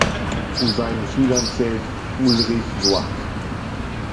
Zu seinen Schülern zählt Ulrich Noack.